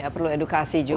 perlu edukasi juga